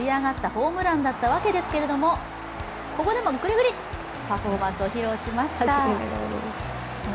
ホームランだったわけですが、ここでもぐりぐり、パフォーマンスを披露しました。